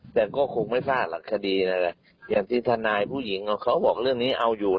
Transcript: แต่ก็คงไม่ทราบหลักคดีอะไรอย่างที่ทนายผู้หญิงเขาบอกเรื่องนี้เอาอยู่